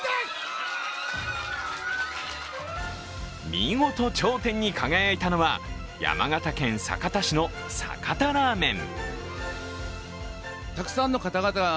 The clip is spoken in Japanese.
見事、頂点に輝いたのは山形県酒田市の酒田ラーメン。